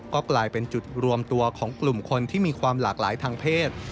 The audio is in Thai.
ก็กลายเป็นจุดรวมตัวของกลุ่มคนที่มีความหลากหลายทางเพศ